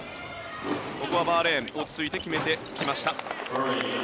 ここはバーレーン落ち着いて決めてきました。